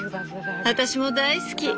私も大好き。